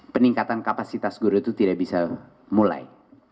peningkatan kapasitas guru itu tidak bisa mulai